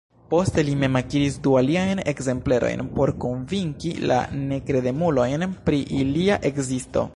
Poste li mem akiris du aliajn ekzemplerojn por konvinki la nekredemulojn pri ilia ekzisto.